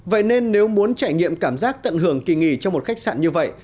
vậy nên nếu muốn trải nghiệm cảm giác tận hưởng kỳ nghỉ trong một khách sạn như vậy